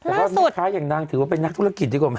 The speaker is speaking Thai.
มีค้าอย่างดังถือว่าเป็นนักธุรกิจดีกว่าไหม